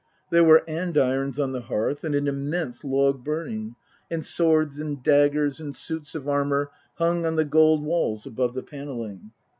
There were andirons on the hearth and an immense log burning, and swords and daggers and suits of armour hung on the gold walls above the panelling.